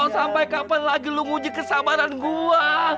sampai kapan lagi lu nguji kesabaran gua